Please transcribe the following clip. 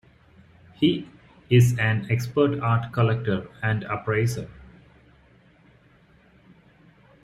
He is an expert art collector and appraiser.